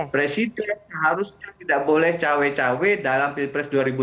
presiden seharusnya tidak boleh tawe tawe dalam pilpres dua ribu dua puluh empat